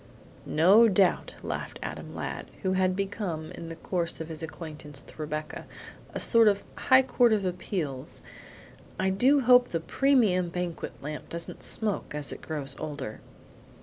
"No doubt," laughed Adam Ladd, who had become, in the course of his acquaintance with Rebecca, a sort of high court of appeals; "I hope the premium banquet lamp doesn't smoke as it grows older?"